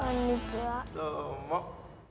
どうも。